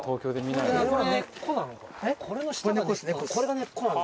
これの下が根っこなの？